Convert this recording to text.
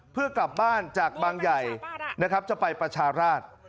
เพื่อกลับบ้านจากบางใหญ่นะครับจะไปประชาราช